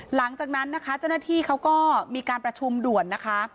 หลังจากนั้นนะคะเจ้าหน้าที่เขาก็มีการประชุมด่วนนะคะ